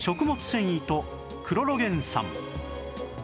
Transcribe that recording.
繊維とクロロゲン酸